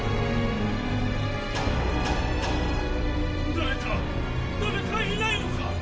誰か⁉誰かいないのか